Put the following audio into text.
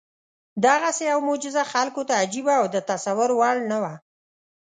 دغسې یوه معجزه خلکو ته عجیبه او د تصور وړ نه وه.